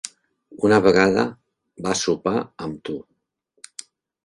Una vegada va sopar amb tu.